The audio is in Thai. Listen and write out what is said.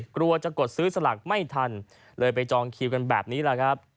กลัวจะกดซื้อสลากไม่ทันเลยไปจองคิวกันแบบนี้แหละครับ